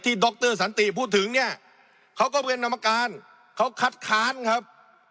ดรสันติพูดถึงเนี่ยเขาก็เป็นกรรมการเขาคัดค้านครับ